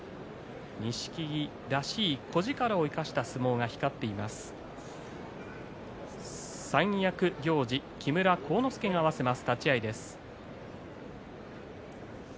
錦木らしい小力生かした相撲が光っています。